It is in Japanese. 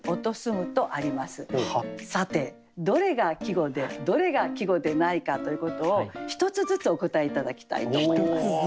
さてどれが季語でどれが季語でないかということを１つずつお答え頂きたいと思います。